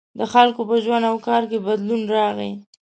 • د خلکو په ژوند او کار کې بدلون راغی.